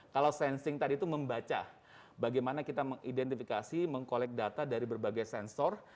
dan singh tadi itu membaca bagaimana kita mengidentifikasi mengkolek data dari berbagai sensor